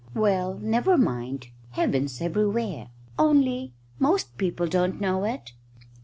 "Well, never mind. Heaven's everywhere, only most people don't know it."